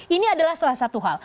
ini adalah salah satu hal